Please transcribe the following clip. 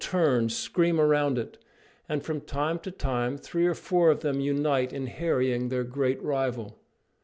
] Sea crows and terns scream around it, and from time to time three or four of them unite in harrying their great rival.